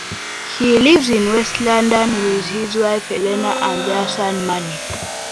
He lives in west London with his wife Helena and their son Manny.